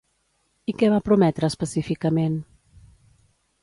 I què va prometre específicament?